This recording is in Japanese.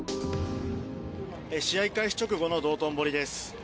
試合開始直後の道頓堀です。